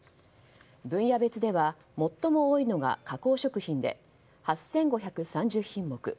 分野別では最も多いのが加工食品で８５３０品目。